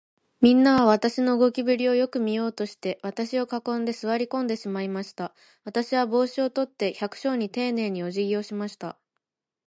みんなは、私の動きぶりをよく見ようとして、私を囲んで、坐り込んでしまいました。私は帽子を取って、百姓にていねいに、おじぎをしました。